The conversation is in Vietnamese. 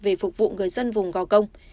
về phục vụ người dân vùng gò công